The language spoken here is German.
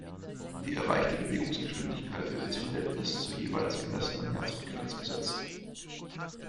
Die erreichte Bewegungsgeschwindigkeit wird ins Verhältnis zur jeweils gemessenen Herzfrequenz gesetzt.